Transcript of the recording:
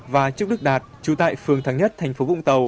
và trúc đức đạt trú tại phường thắng nhất thành phố vũng tàu